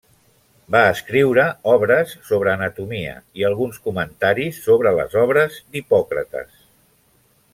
Va escriure obres sobre anatomia i alguns comentaris sobre les obres d'Hipòcrates.